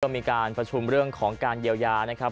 มีการประชุมเรื่องของการเยียวยานะครับ